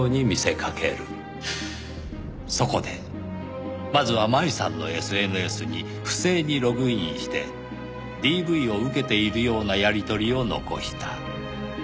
そこでまずは麻衣さんのＳＮＳに不正にログインしてＤＶを受けているようなやり取りを残した。